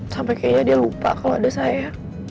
sampai kayaknya dia lupa kalau ada saya